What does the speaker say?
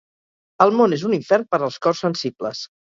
El món és un infern per als cors sensibles.